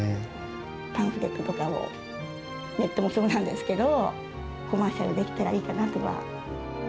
パンフレットとかをネットもそうなんですけど、コマーシャルできたらいいなとは。